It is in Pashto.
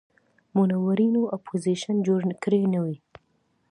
منورینو اپوزیشن جوړ کړی نه وي.